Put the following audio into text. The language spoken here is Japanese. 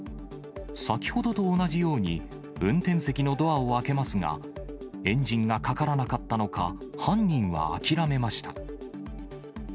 先ほどと同じように、運転席のドアを開けますが、エンジンがかからなかったのか、犯人は諦めました。